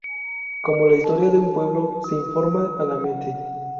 Como la historia de un pueblo, se informa a la mente.